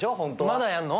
まだやんの？